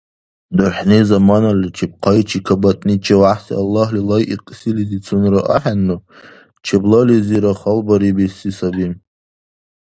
ДурхӀни заманаличиб хъайчикабатни ЧевяхӀси Аллагьли лайикьсилизицунра ахӀенну, чеблализира халбарибиси саби.